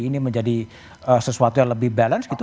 ini menjadi sesuatu yang lebih balance gitu